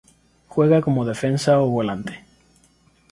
Juega como defensa o volante.